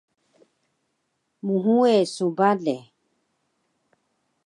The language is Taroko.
Mhuwe su bale